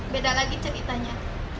beda lagi ceritanya